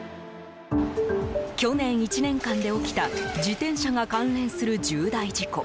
去年１年間で起きた自転車が関連する重大事故。